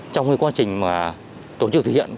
trong cái quá trình mà tổ chức thực hiện